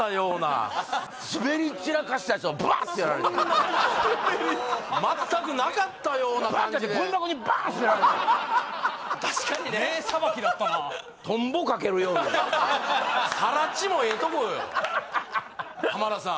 はいスベリ散らかしたヤツをバッてやられて全くなかったような感じでバッてやってゴミ箱にバーン捨てられて確かにね・名さばきだったなトンボかけるように更地もええとこよ浜田さん